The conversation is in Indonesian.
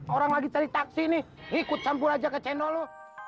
orang lagi cari taksi nih ikut campur aja ke chano